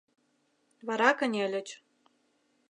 Вара кынельыч.